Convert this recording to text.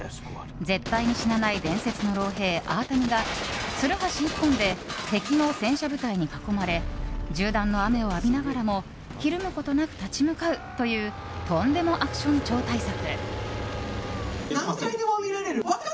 絶対に死なない伝説の老兵アアタミがツルハシ１本で敵の戦車部隊に囲まれ銃弾の雨を浴びながらもひるむことなく立ち向かうというとんでもアクション超大作。